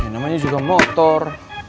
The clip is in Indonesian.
namanya juga motor